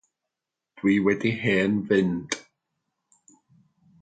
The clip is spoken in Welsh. Dwi wedi hen fynd.